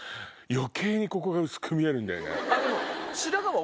余計にここが薄く見えるんだよね。